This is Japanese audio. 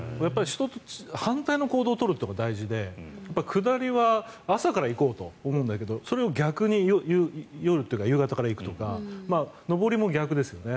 反対の行動を取るというのが大事で下りは朝から行こうと思うんだけどそれを逆に夜というか夕方から行くとか上りも逆ですよね。